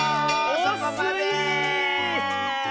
そこまで！